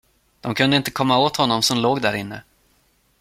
De kunde inte komma åt honom som låg därinne.